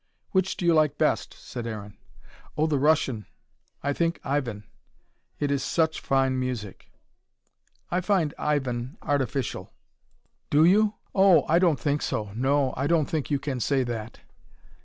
"Which do you like best?" said Aaron. "Oh, the Russian. I think Ivan. It is such fine music." "I find Ivan artificial." "Do you? Oh, I don't think so. No, I don't think you can say that."